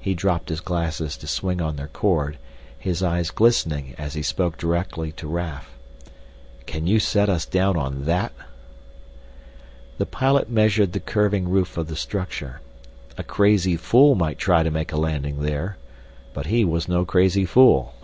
He dropped his glasses to swing on their cord, his eyes glistening as he spoke directly to Raf. "Can you set us down on that?" The pilot measured the curving roof of the structure. A crazy fool might try to make a landing there. But he was no crazy fool.